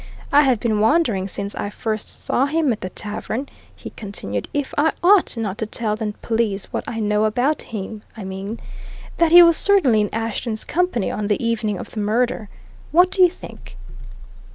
I have been wondering since I first saw him at the tavern," he continued, "if I ought not to tell the police what I know about him I mean, that he was certainly in Ashton's company on the evening of the murder. What do you think?"